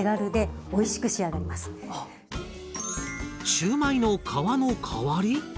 シューマイの皮の代わり？